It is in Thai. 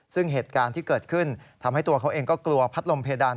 ซึ่งเหตุการณ์ที่เกิดขึ้นทำให้ตัวเขาเองก็กลัวพัดลมเพดาน